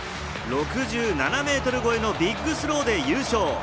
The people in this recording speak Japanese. ６７ｍ超えのビッグスローで優勝！